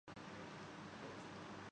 جدید تکنیکوں کا وسیع استعمال کِیا